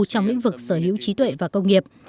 trong lĩnh vực sở hữu trí tuệ và công nghiệp